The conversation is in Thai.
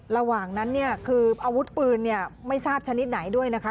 ระหว่างนั้นเนี่ยคืออาวุธปืนไม่ทราบชนิดไหนด้วยนะคะ